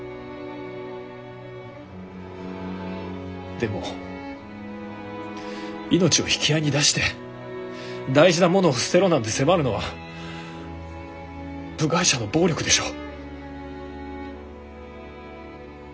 でも命を引き合いに出して大事なものを捨てろなんて迫るのは部外者の暴力でしょう。